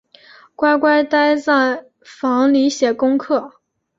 乖乖待在房里写功课